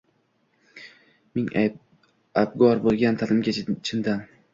Mening abgor bo’lgan tanimga chindan